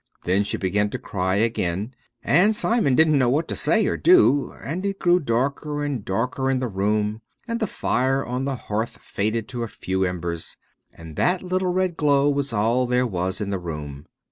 Then she began to cry again, and Simon didn't know what to say or do, and it grew darker and darker in the room and the fire on the hearth faded to a few embers. And that little red glow was all there was in the room.